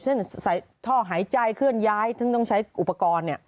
ใส่ท่อหายใจเคลื่อนย้ายซึ่งต้องใช้อุปกรณ์